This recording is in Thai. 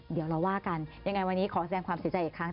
เดี๋ยวเราว่ากันยังไงวันนี้ขอแสดงความเสียใจอีกครั้ง